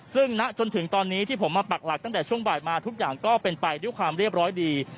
ซึ่งณจนถึงตอนนี้ที่ผมมาปักหลักตั้งแต่ช่วงบ่ายมาทุกอย่างก็เป็นไปด้วยความเรียบร้อยดี